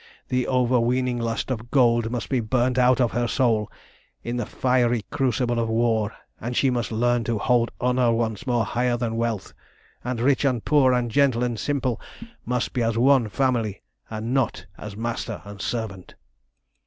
The overweening lust of gold must be burnt out of her soul in the fiery crucible of war, and she must learn to hold honour once more higher than wealth, and rich and poor and gentle and simple must be as one family, and not as master and servant.